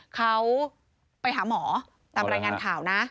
เขาไปหาหมอตามรายงานข่าวนะ